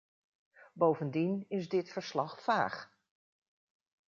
Bovendien is dit verslag vaag.